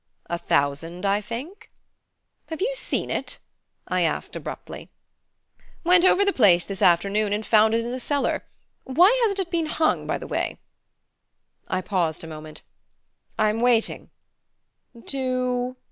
"A thousand, I think?" "Have you seen it?" I asked abruptly. "Went over the place this afternoon and found it in the cellar. Why hasn't it been hung, by the way?" I paused a moment. "I'm waiting " "To